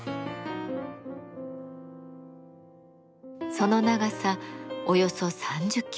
その長さおよそ３０キロメートル。